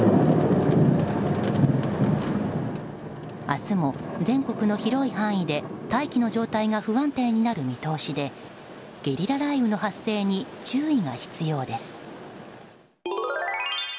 明日も全国の広い範囲で大気の状態が不安定になる見通しでゲリラ雷雨の発生に注意が必要です。